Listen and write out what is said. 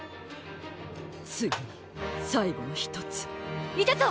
ついに最後の１ついたぞ！